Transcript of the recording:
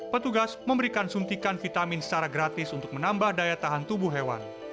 petugas memberikan suntikan vitamin secara gratis untuk menambah daya tahan tubuh hewan